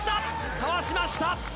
かわしました。